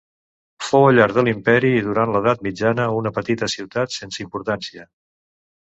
Fou al llarg de l'imperi i durant l'edat mitjana una petita ciutat sense importància.